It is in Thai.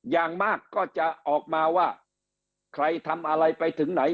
อย่างมากก็จะออกมาว่าใครทำอะไรไปถึงไหน